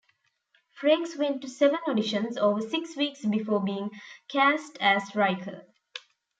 Frakes went to seven auditions over six weeks before being cast as Riker.